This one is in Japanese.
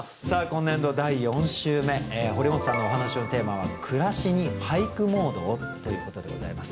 今年度第４週目堀本さんのお話のテーマは「暮らしに俳句モードを」ということでございます。